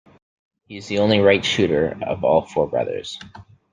He is the only right shooter of all four brothers.